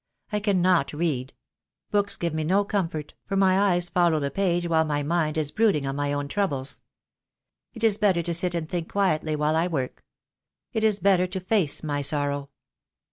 I cannot read. Books give me no comfort, for my eyes follow the page while my mind is brooding on my own troubles. It is better to sit and think quietly, while I work. It is better to face my sorrow."